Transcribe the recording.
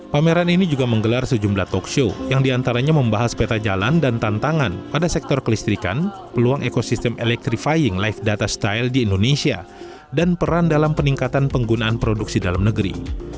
pameran ini juga menggelar sejumlah talk show yang diantaranya membahas peta jalan dan tantangan pada sektor kelistrikan peluang ekosistem electrifying life data style di indonesia dan peran dalam peningkatan penggunaan produksi dalam negeri